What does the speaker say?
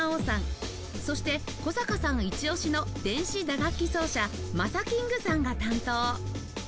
そして古坂さんイチオシの電子打楽器奏者 ＭＡＳＡＫｉｎｇ さんが担当